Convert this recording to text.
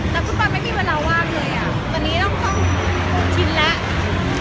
แต่คุณกร็าไม่มีเวลาว่างเลยอะกรินนี้ต้องชินแล้ว